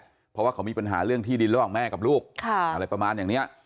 เพราะว่าเขามีปัญหาเรื่องที่ดินระหว่างแม่กับลูกอะไรประมาณอย่างเนี้ย